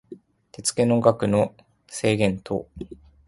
手付の額の制限等